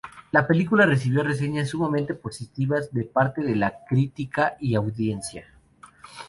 La película recibió reseñas sumamente positivas de parte de la crítica y audiencia.